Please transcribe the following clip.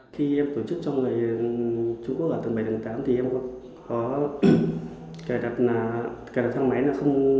không cho tầng dưới lên từ tầng bảy tầng tám và hàn một cửa ngách từ tầng sáu